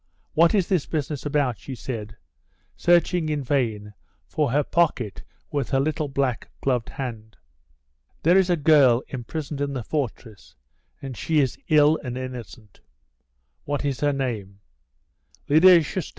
What is this business about?" she said, searching in vain for her pocket with her little black gloved hand. "There is a girl imprisoned in the fortress, and she is ill and innocent." "What is her name?" "Lydia Shoustova.